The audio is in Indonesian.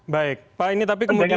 baik pak ini tapi kemudian